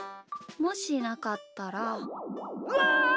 もしなかったら。わ！